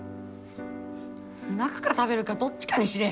泣くか食べるかどっちかにしれ。